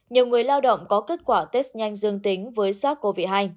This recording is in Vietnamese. nhiều người lao động có kết quả test nhanh dương tính với sars cov hai